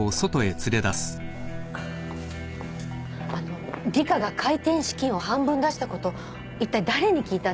あの里香が開店資金を半分出したこといったい誰に聞いたんです？